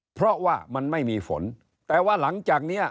เพราะว่ามันไม่มีฝนแต่ว่าหลังจากเนี้ย